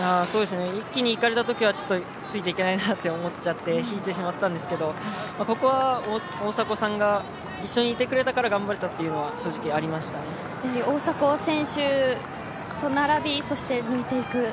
一気に行かれたときはついていけないなと思って引いてしまいましたがここは大迫さんが一緒にいてくれたから頑張れたという大迫選手と並んでそして、抜いていく。